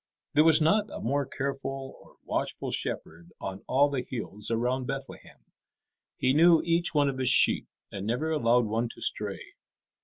There was not a more careful or watchful shepherd on all the hills around Bethlehem. He knew each one of his sheep, and never allowed one to stray.